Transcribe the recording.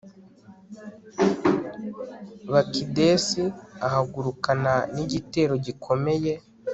bakidesi ahagurukana n'igitero gikomeye